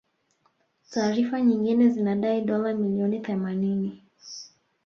Taarifa nyingine zinadai dola milioni themanini